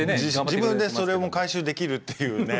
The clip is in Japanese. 自分でそれを回収できるっていうね